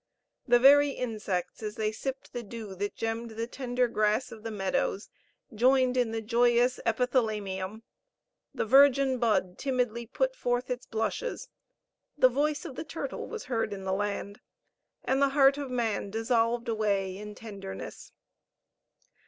The very insects, as they sipped the dew that gemmed the tender grass of the meadows, joined in the joyous epithalamium the virgin bud timidly put forth its blushes, "the voice of the turtle was heard in the land," and the heart of man dissolved away in tenderness.